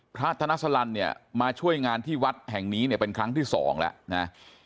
พระธนสรรเนี่ยมาช่วยงานที่วัดแห่งนี้เนี่ยขั้นที่๒แล้วนะ